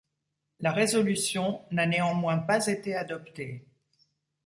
La résolution n'a néanmoins pas été adoptée.